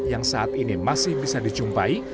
yang saat ini masih bisa dijumpai